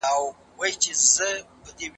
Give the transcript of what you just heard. زه به سبا د ليکلو تمرين کوم!؟